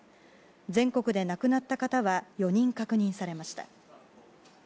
全国で亡くなった方は４人確認されました。